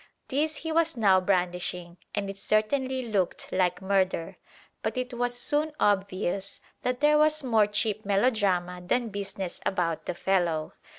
This he was now brandishing, and it certainly looked like murder; but it was soon obvious that there was more cheap melodrama than business about the fellow.